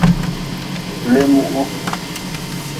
Leemuhu.